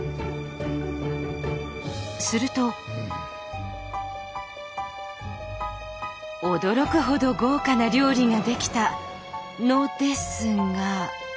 すると驚くほど豪華な料理が出来たのですが。